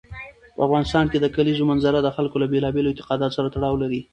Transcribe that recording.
په افغانستان کې د کلیزو منظره د خلکو له بېلابېلو اعتقاداتو سره تړاو لري.